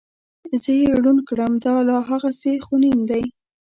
زه یې ړوند کړم دا لا هغسې خونین دی.